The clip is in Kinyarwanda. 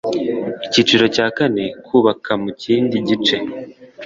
icyiciro cya kane kubaka mu kindi gice